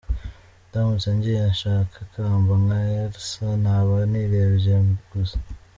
Ndamutse ngiye nshaka ikamba nka Elsa naba nirebye gusa.